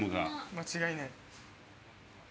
間違いない。